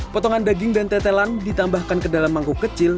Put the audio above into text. potongan daging dan tetelan ditambahkan ke dalam mangkuk kecil